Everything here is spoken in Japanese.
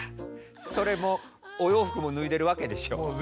それもお洋服も脱いでるわけでしょう？